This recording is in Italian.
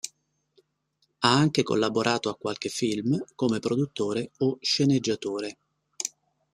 Ha anche collaborato a qualche film, come produttore o sceneggiatore.